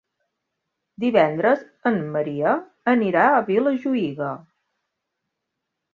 Divendres en Maria anirà a Vilajuïga.